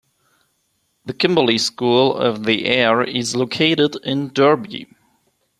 The Kimberley School of the Air is located in Derby.